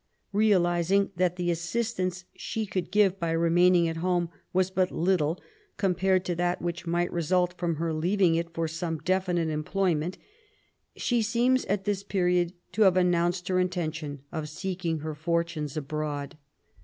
Real izing that the assistance she could give by remaining at home was but little compared to that which might result from her leaving it for some definite employ ment, she seems at this period to have announced her intention of seeking her fortunes abroad.